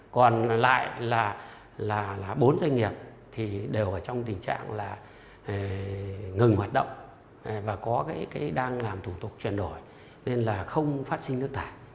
còn lại là bốn doanh nghiệp thì đều ở trong tình trạng là ngừng hoạt động và có cái đang làm thủ tục chuyển đổi nên là không phát sinh nước thải